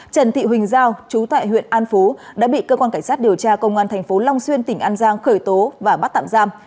trần thị huỳnh giao chú tại huyện an phú đã bị cơ quan cảnh sát điều tra công an thành phố long xuyên tỉnh an giang khởi tố và bắt tạm giam